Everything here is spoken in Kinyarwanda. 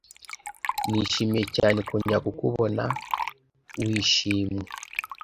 Nishimiye cyane kongera kukubona w'ishyimwe.